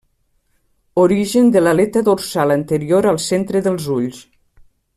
Origen de l'aleta dorsal anterior al centre dels ulls.